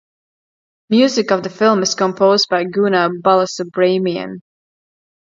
Music of the film is composed by Guna Balasubramanian.